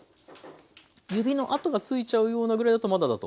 指の跡がついちゃうようなぐらいだとまだだと。